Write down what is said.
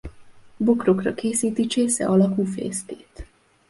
Bokrokra készíti csésze alakú fészkét.